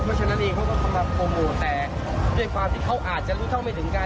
เพราะฉะนั้นเองเขาก็กำลังโปรโมทแต่ด้วยความที่เขาอาจจะรู้เท่าไม่ถึงการ